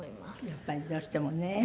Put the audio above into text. やっぱりどうしてもね。